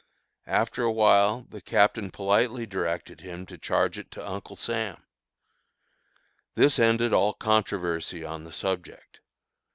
After a while the Captain politely directed him to charge it to Uncle Sam. This ended all controversy on the subject.